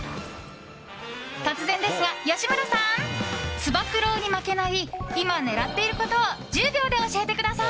突然ですが、吉村さんつば九郎に負けない今、狙っていることを１０秒で教えてください！